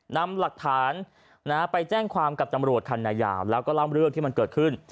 นำหลักฐานไปแจ้งความกับตำรวจคันนายาวแล้วก็เล่าเรื่องที่มันเกิดขึ้น